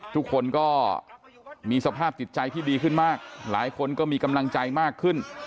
ทุกคนก็มีสภาพจิตใจที่ดีขึ้นมากหลายคนก็มีกำลังใจมากขึ้น